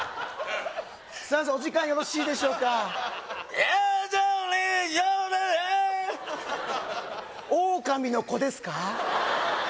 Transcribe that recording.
すいませんお時間よろしいでしょうか狼の子ですか？